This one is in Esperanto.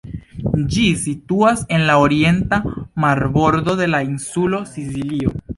Ĝi situas en la orienta marbordo de la insulo Sicilio.